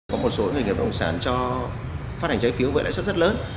có một số doanh nghiệp bất động sản cho phát hành trái phiếu với lợi sức rất lớn